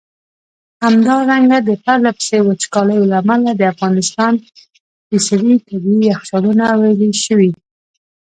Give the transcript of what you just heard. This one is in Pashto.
همدارنګه د پرله پسي وچکالیو له امله د افغانستان ٪ طبیعي یخچالونه ویلي شوي.